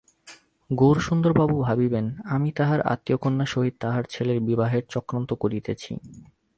গৌরসুন্দরবাবু ভাবিবেন, আমিই আমার আত্মীয়কন্যার সহিত তাঁহার ছেলের বিবাহের চক্রান্ত করিতেছি।